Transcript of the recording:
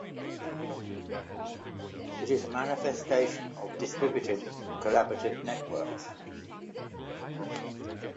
It is a manifestation of distributed collaborative networks.